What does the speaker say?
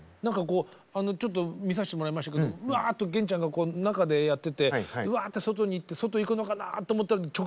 ちょっと見させてもらいましたけどうわっと源ちゃんが中でやっててうわって外に行って外行くのかなと思ったら直前でやめてましたね。